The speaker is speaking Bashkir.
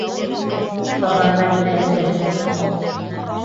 Оҡшаған Мәҙинә әсәһенә.